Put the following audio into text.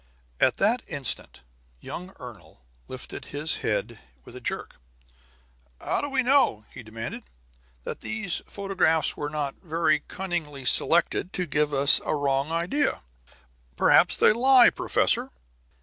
At that instant young Ernol lifted his head with a jerk. "How do we know," he demanded, "that these photographs were not very cunningly selected to give us a wrong idea? Perhaps they lie, professor!"